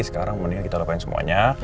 sekarang mendingan kita lakukan semuanya